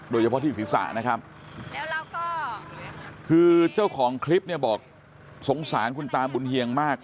โดยเฉพาะที่ศีรษะนะครับแล้วก็คือเจ้าของคลิปเนี่ยบอกสงสารคุณตาบุญเฮียงมาก